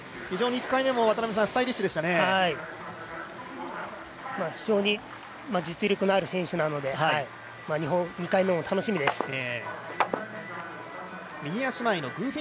非常に実力のある選手なので２回目も楽しみです。